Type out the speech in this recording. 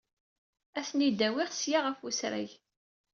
Ad ten-id-awiɣ ssya ɣef usrag.